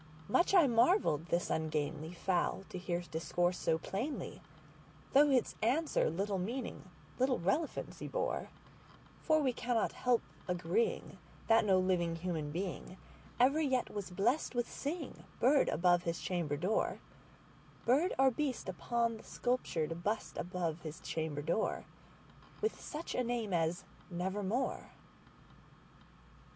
Much I marvelled this ungainly fowl to hear discourse so plainly, Though its answer little meaning—little relevancy bore; For we cannot help agreeing that no living human beingEver yet was blessed with seeing bird above his chamber door, Bird or beast upon the sculptured bust above his chamber door, With such name as "Nevermore."